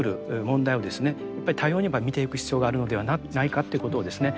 やっぱり多様に見ていく必要があるのではないかということをですね